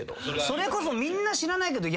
それこそみんな知らないけど。